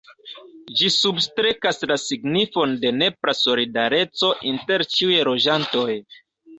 Ĝi substrekas la signifon de nepra solidareco inter ĉiuj loĝantoj.